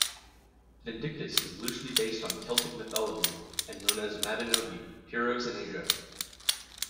Vindictus is loosely based on Celtic mythology, and known as Mabinogi: Heroes in Asia.